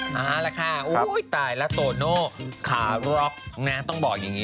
มาแล้วค่ะตายแล้วโตโน่ขาหรอกต้องบอกอย่างนี้